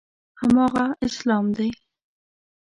هماغه اسلام دی.